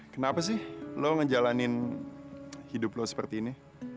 kenapa sih lo ngejalanin hidup lo seperti ini